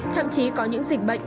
thậm chí có những dịch bệnh